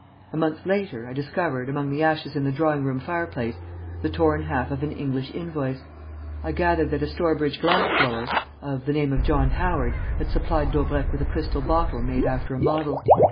A month later, I discovered, among the ashes in the drawing room fireplace, the torn half of an English invoice. I gathered that a Stourbridge glass blower, of the name of John Howard, had supplied Daubrecq with a crystal bottle made after a model.